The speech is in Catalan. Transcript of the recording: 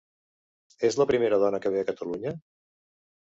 És la primera dona que ve a Catalunya?